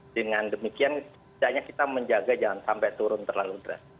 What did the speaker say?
dengan demikian kita menjaga jangan sampai turun terlalu keras